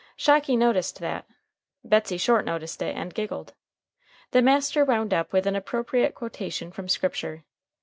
Shocky noticed that. Betsey Short noticed it, and giggled. The master wound up with an appropriate quotation from Scripture.